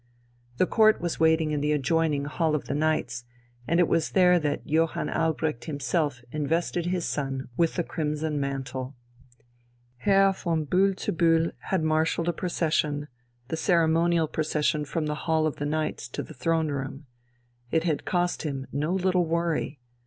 The Court was waiting in the adjoining Hall of the Knights, and it was there that Johann Albrecht himself invested his son with the crimson mantle. Herr von Bühl zu Bühl had marshalled a procession, the ceremonial procession from the Hall of the Knights to the Throne room. It had cost him no little worry.